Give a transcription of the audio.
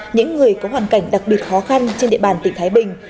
những người có hoàn cảnh đặc biệt khó khăn trên địa bàn tỉnh thái bình